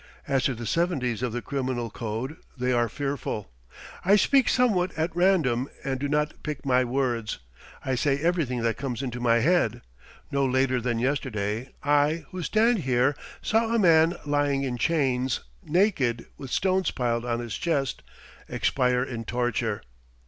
As to the severities of the criminal code, they are fearful. I speak somewhat at random, and do not pick my words. I say everything that comes into my head. No later than yesterday I who stand here saw a man lying in chains, naked, with stones piled on his chest, expire in torture.